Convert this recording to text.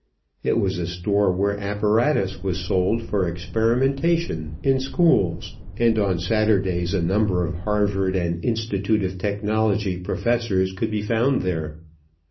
It was a store where apparatus was sold for experimentation in schools, and on Saturdays a number of Harvard and Institute of Technology professors could be found there.